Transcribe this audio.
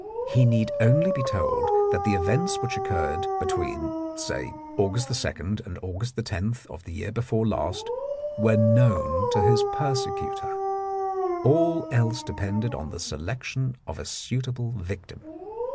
He need only be told that the events which occurred between, say, August 2 and August 10 of the year before last were known to his persecutor. All else depended on the selection of a suitable victim.